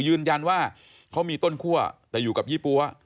ยืนยันว่าเขามีต้นคั่วแต่อยู่กับยี่ปั๊ว